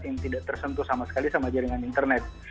yang tidak tersentuh sama sekali sama jaringan internet